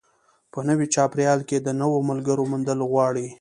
په نوي چاپېریال کې د نویو ملګرو موندل غواړي.